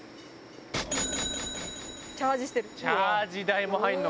チャージしてる。